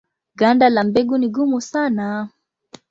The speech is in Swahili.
Ganda la mbegu ni gumu sana.